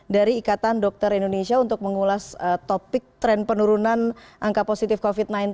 dari ikatan dokter indonesia untuk mengulas topik tren penurunan angka positif covid sembilan belas